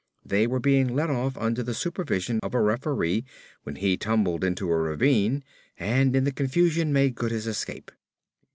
They were being led off under the supervision of a referee when he tumbled into a ravine and in the confusion made good his escape.